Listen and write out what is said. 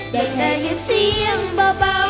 แต่แค่อย่าเสียงเบา